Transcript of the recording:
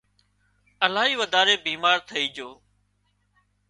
الاهي وڌاري بيمار ٿئي جھو